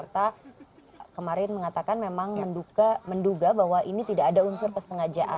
tersangka mengambil senjata